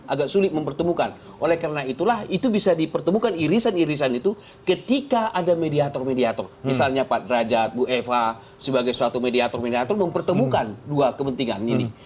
agak sulit mempertemukan oleh karena itulah itu bisa dipertemukan irisan irisan itu ketika ada mediator mediator misalnya pak derajat bu eva sebagai suatu mediator mediator mempertemukan dua kepentingan ini